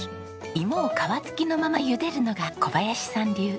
イモを皮つきのままゆでるのが小林さん流。